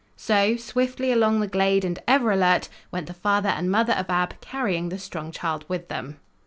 So, swiftly along the glade and ever alert, went the father and mother of Ab, carrying the strong child with them.